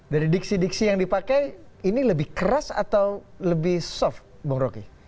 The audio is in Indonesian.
dari diksi diksi yang dipakai ini lebih keras atau lebih soft bung rocky